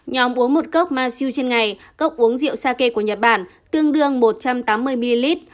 nhóm uống một cốc masu trên ngày cốc uống rượu sake của nhật bản tương đương một trăm tám mươi ml